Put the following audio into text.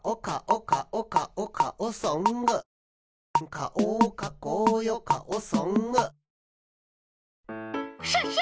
「かおをかこうよかおソング」クシャシャ！